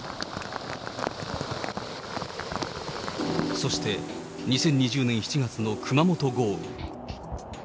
そして２０２０年７月の熊本豪雨。